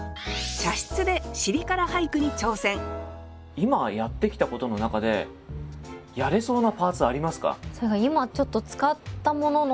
今やってきたことの中でやれそうなパーツありますか？